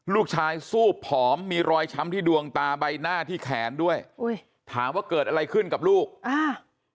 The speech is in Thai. ลูกชายซูบผอมมีรอยช้ำที่ดวงตาใบหน้าที่แขนด้วยอุ้ยถามว่าเกิดอะไรขึ้นกับลูกอ่า